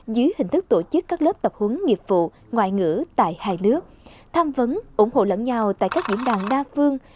dưới hình thức tổ chức các lớp tập huấn nghiệp vụ ngoại ngữ tại hai nước tham vấn ủng hộ lẫn nhau tại các diễn đàn đa phương